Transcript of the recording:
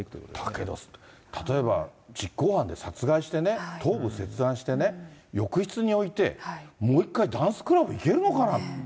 だけど例えば、実行犯で殺害してね、頭部切断してね、浴室に置いて、もう一回、ダンスクラブ行けるのかな。